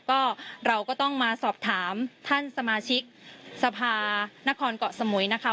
ก็เราก็ต้องมาสอบถามท่านสมาชิกสภานครเกาะสมุยนะคะ